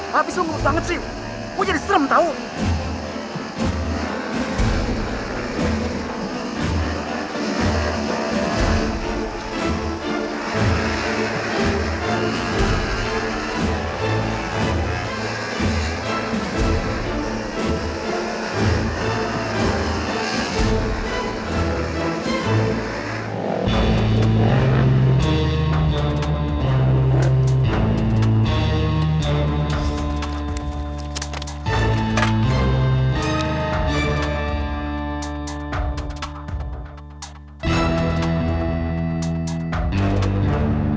habis lo ngebuka banget sih gue jadi serem tau